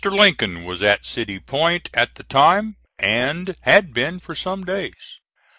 Lincoln was at City Point at the time, and had been for some days.